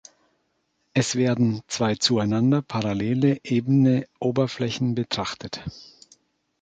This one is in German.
Es werden zwei zueinander parallele ebene Oberflächen betrachtet.